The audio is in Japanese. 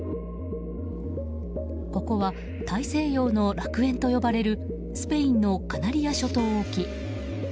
ここは大西洋の楽園と呼ばれるスペインのカナリア諸島沖。